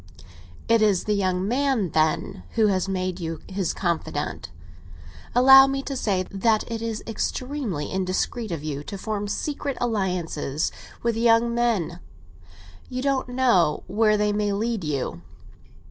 "It is the young man, then, who has made you his confidante? Allow me to say that it is extremely indiscreet of you to form secret alliances with young men. You don't know where they may lead you."